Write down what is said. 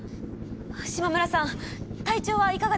島村さん体調はいかがですか？